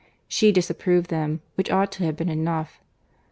She disapproved them, which ought to have been enough.